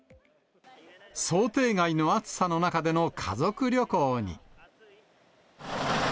想定外の暑さの中での家族旅行に。